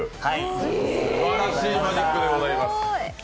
すばらしいマジックでございます。